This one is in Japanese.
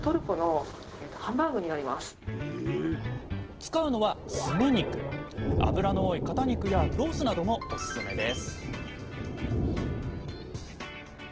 使うのは脂の多い肩肉やロースなどもオススメです